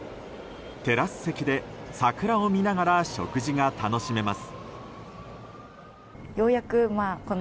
テラス席で桜を見ながら食事が楽しめます。